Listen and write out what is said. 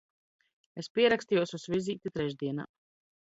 Es pierakstījos uz vizīti trešdienā.